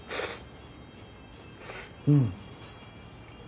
うん。